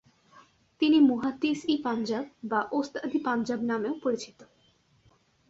তিনি "মুহাদ্দিস-ই-পাঞ্জাব" বা "ওস্তাদ-ই-পাঞ্জাব" নামেও পরিচিত।